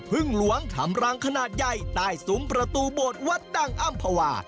พึ่งหลวงทำรังขนาดใหญ่ใต้สูงประตูบทวัดดังอ้ำพวา